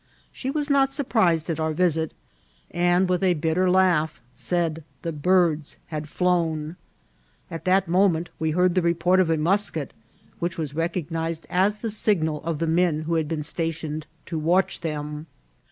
She was not surprised at our visit, and, with a bitter laugh, said the birds had flown. At that moment we heard the report of a mus ket, which was recognised as the signal of the men who had been stationed to watch them.